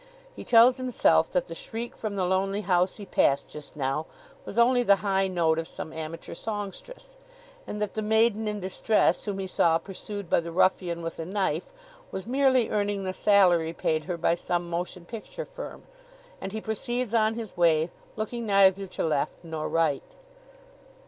He tells himself that the shriek from the lonely house he passed just now was only the high note of some amateur songstress, and that the maiden in distress whom he saw pursued by the ruffian with a knife was merely earning the salary paid her by some motion picture firm. And he proceeds on his way, looking neither to left nor right.